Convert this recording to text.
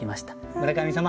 村上様